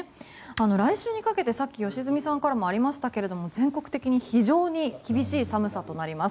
来週にかけて、さっき良純さんからもありましたが全国的に非常に厳しい寒さとなります。